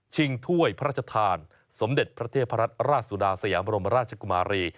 ถ้วยพระราชทานสมเด็จพระเทพรัตนราชสุดาสยามรมราชกุมารี